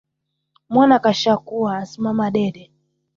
Mwana kashakuwa asimama dede